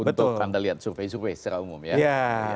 untuk anda lihat survei survei secara umum ya